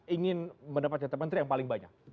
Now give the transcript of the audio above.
ingin mendapat jatah menteri yang paling banyak